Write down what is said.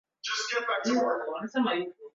Chuo kikuu chetu kimefungwa.